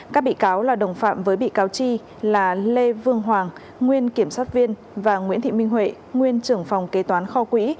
các bị cáo là đồng phạm với bị cáo chi là lê vương hoàng nguyên kiểm soát viên và nguyễn thị minh huệ nguyên trưởng phòng kế toán kho quỹ